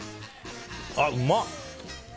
あ、うまっ！